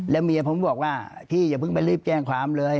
แล้วเมียผมบอกว่าพี่อย่าเพิ่งไปรีบแจ้งความเลย